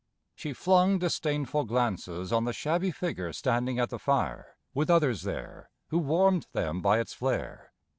She flung disdainful glances on The shabby figure standing at the fire with others there, Who warmed them by its flare.